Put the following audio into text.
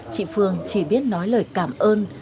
chị phương chỉ biết nói lời cảm ơn